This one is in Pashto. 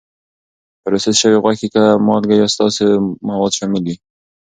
پروسس شوې غوښې کې مالکه یا ساتونکي مواد شامل وي.